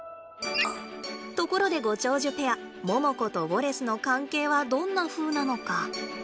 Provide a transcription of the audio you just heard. ところでご長寿ペアモモコとウォレスの関係はどんなふうなのか。